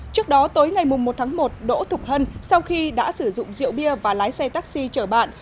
trước đó tối ngày một tháng một đỗ thục hân sau khi đã sử dụng rượu bia và lái xe taxi chở bạn